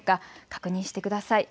確認してください。